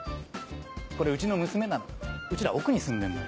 これうちの娘なのうちら奥に住んでんのよ。